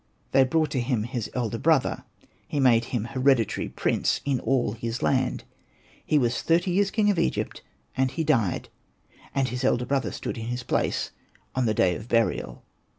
They brought to him his elder brother ; he made him hereditary prince in all his land. He was thirty years king of Egypt, and he died, and his elder brother stood in his place on the day of burial.